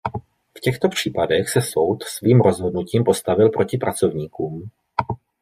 V těchto případech se Soud svým rozhodnutím postavil proti pracovníkům.